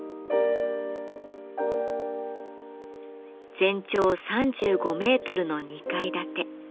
全長３５メートルの２階建て。